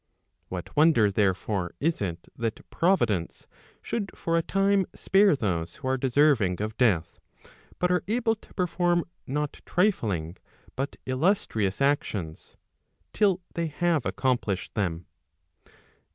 What wonder, therefore, is it that Providence should for a time spare those who are deserving of death, but are able to perforin not trifling, but illustrious actions, till they have accomplished them